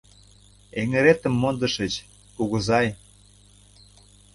— Эҥыретым мондышыч, кугызай!